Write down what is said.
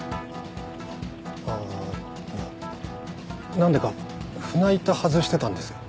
何でか船板外してたんですよ。